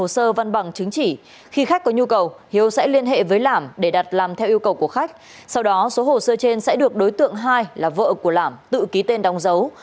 xin chào các bạn